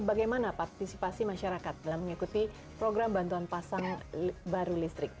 bagaimana partisipasi masyarakat dalam mengikuti program bantuan pasang baru listrik